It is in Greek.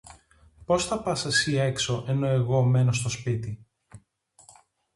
Πως θα πας εσύ έξω, ενώ εγώ μένω στο σπίτι;